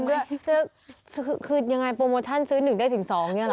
นี่คือจริงด้วยคือยังไงโปรโมชั่นซื้อ๑ได้ถึง๒เนี่ยเหรอ